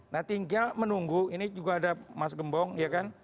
nah tinggal menunggu ini juga ada mas gembong ya kan